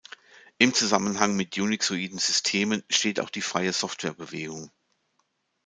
In Zusammenhang mit unixoiden Systemen steht auch die Freie-Software-Bewegung.